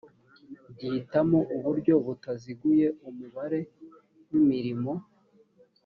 gihitamo uburyo butaziguye umubare w’imirimo